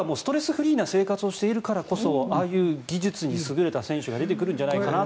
フリーな生活をしているからこそああいう技術に優れた選手が出てくるんじゃないかなと。